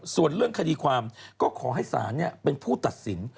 ส่วนเรื่องคดีความก็ขอให้ศาลเป็นผู้ตัดสิน